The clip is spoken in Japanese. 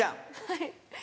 はい。